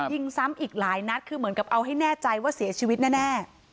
ยิงซ้ำอีกหลายนัดคือเหมือนกับเอาให้แน่ใจว่าเสียชีวิตแน่